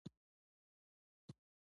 تا سره، په دې جزیره کې